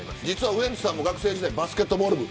ウエンツさんは学生時代バスケットボール部。